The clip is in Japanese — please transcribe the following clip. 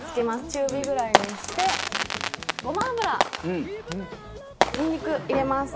中火ぐらいにしてごま油にんにく入れます。